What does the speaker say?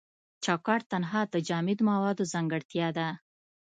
چوکات تنها د جامد موادو ځانګړتیا ده.